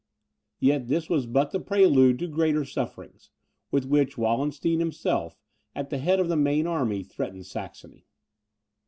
Yet this was but the prelude to greater sufferings, with which Wallenstein himself, at the head of the main army, threatened Saxony.